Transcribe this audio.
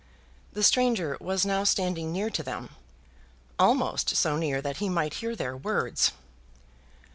The stranger was now standing near to them, almost so near that he might hear their words.